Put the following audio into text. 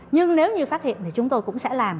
nhưng nếu như phát hiện thì chúng tôi cũng sẽ làm